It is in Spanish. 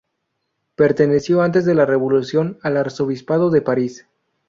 Perteneció antes de la Revolución al arzobispado de París.